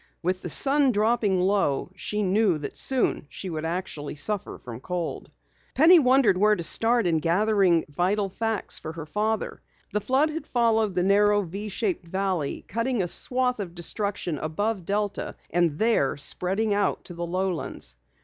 With the sun dropping low, she knew that soon she would actually suffer from cold. Penny wondered where to start in gathering vital facts for her father. The flood had followed the narrow V shaped valley, cutting a swath of destruction above Delta, and there spreading out to the lowlands.